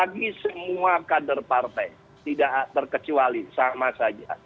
ketua dpp pdi perjuangan